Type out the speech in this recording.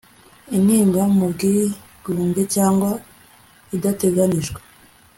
intimba mu bwigunge, cyangwa idateganijwe